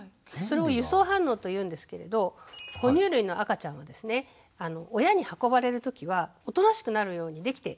それを輸送反応というんですけれどほ乳類の赤ちゃんは親に運ばれる時はおとなしくなるようにできているんです。